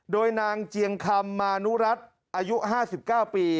โดยนางเจียงคำมานุรัติอายุ๕๙ปี